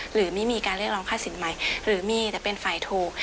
หรือไม่มีการเรียกร้องค่าสินใหม่หรือมีแต่เป็นฝ่ายถูก